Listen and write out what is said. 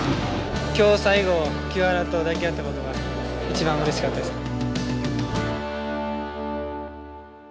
今日最後清原と抱き合ったことが一番うれしかったですね。